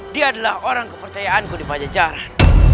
dia adalah orang kepercayaanku di panjang jalan